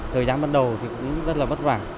thời gian bắt đầu thì cũng rất là bất quả